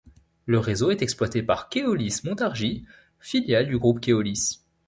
Le réseau est exploité par Keolis Montargis, filiale du groupe Keolis.